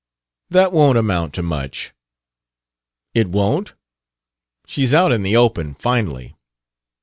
"That won't amount to much." "It won't? She's out in the open, finally.